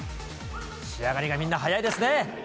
仕上がりがみんな早いですね。